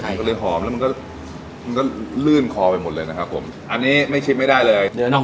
มันก็เลยหอมแล้วมันก็มันก็ลื่นคอไปหมดเลยนะครับผมอันนี้ไม่ชิมไม่ได้เลย